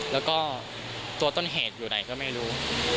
แล้วก็ตัวต้นเหตุอยู่ไหนก็ไม่รู้